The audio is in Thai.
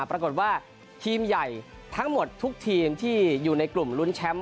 ปรากฏว่าทีมใหญ่ทั้งหมดทุกทีมที่อยู่ในกลุ่มลุ้นแชมป์